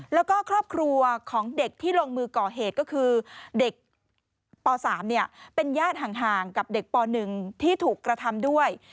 แล้วก็ครอบครัวของเด็กที่ลงมือก่อเหตุก็คือเด็กป๓เป็นญาติห่างกับเด็กป๑ที่ถูกกระทำด้วย